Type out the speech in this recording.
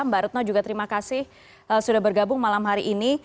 mbak retno juga terima kasih sudah bergabung malam hari ini